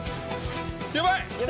やばい！